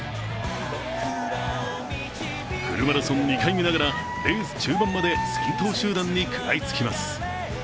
フルマラソン２回目ながら、レース中盤まで先頭集団に食らいつきます。